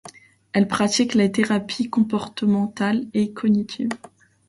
Elle pratique les thérapies comportementales et cognitives.